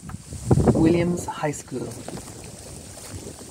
Williams High School.